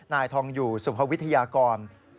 นายทองอยู่สุภวิทยากร